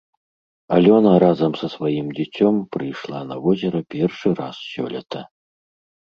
Алёна разам са сваім дзіцем прыйшла на возера першы раз сёлета.